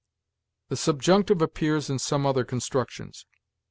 "The subjunctive appears in some other constructions.